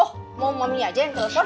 oh mau mami aja yang telepon